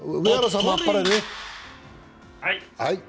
はい。